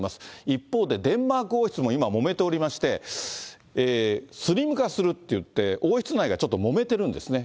一方でデンマーク王室も今、もめておりまして、スリム化するっていって、王室内がちょっともめてるんですね。